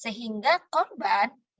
sehingga korban yang mengklaimkan